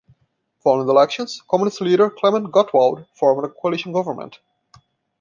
Following the elections, Communist leader Klement Gottwald formed a coalition government.